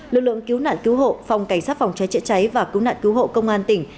lực lượng cứu nạn cứu hộ phòng cảnh sát phòng cháy chữa cháy và cứu nạn cứu hộ công an tỉnh